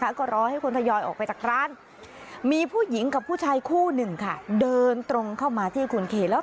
ก็รอให้คนทยอยออกไปจากร้านมีผู้หญิงกับผู้ชายคู่หนึ่งค่ะเดินตรงเข้ามาที่คุณเคแล้ว